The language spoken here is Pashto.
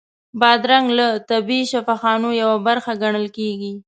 بادرنګ له طبیعي شفاخانو یوه برخه ګڼل کېږي.